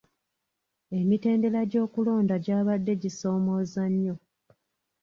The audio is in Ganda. Emitendera gy'okulonda gy'abadde gisoomooza nnyo.